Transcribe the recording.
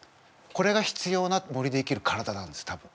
これが必要な森で生きる体なんです多分。